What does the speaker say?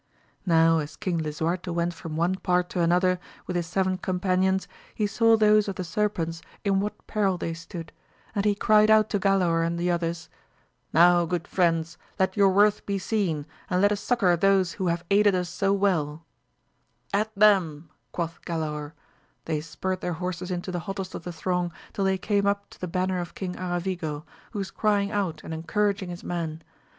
Now as King Lisuarte went from one part to another with his seven companions, he saw those of the serpents in what peril they stood, and he cried out to Galaor and the others, Now good friends, let your worth be seen, and let us succour those who have aided us so welL At them 1 quoth Galaor ; they spurred their horses into the hottest of the throng till they came up to the banner of King Aravigo, who was crying out and encouraging his men.